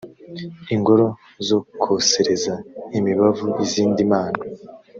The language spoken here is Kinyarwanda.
ingoro zo kosereza imibavu izindi mana